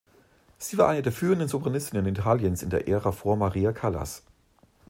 Sie war eine der führenden Sopranistinnen Italiens in der Ära vor Maria Callas.